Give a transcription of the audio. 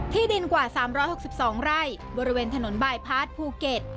ที่ดินกว่าสามร้อยหกสิบสองไร่บริเวณถนนบ่ายพลาดภูเก็ต